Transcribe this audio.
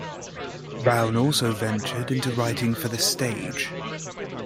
Brown also ventured into writing for the stage.